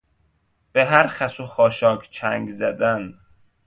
به هر خس و خاشاک چنگ زدن